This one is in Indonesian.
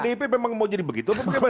pdip memang mau jadi begitu